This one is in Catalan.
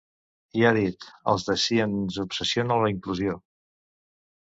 I ha dit: Als del sí ens obsessiona la inclusió.